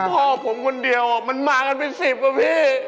พ่อผมคนเดียวมันมากันเป็น๑๐อ่ะพี่